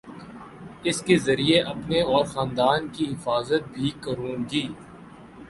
اس کے ذریعے اپنے اور خاندان کی حفاظت بھی کروں گی